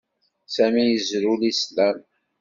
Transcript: Sami yezrew Lislam.